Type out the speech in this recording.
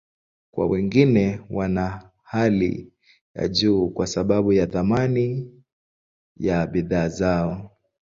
Kwa wengine, wana hali ya juu kwa sababu ya thamani ya bidhaa zao.